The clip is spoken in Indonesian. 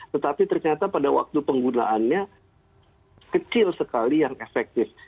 tetapi ternyata pada waktu penggunaannya kecil sekali yang efektif